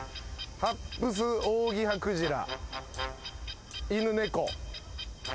ハッブスオウギハクジラ。